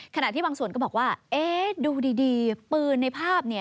ขณะที่บางส่วนก็บอกว่าเอ๊ะดูดีปืนในภาพเนี่ย